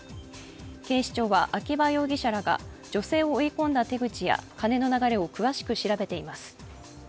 警視庁は秋葉容疑者らが女性を追い込んだ手口や金の流れを詳しく調べています。